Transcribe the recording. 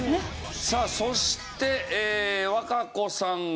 さあそして和歌子さんが。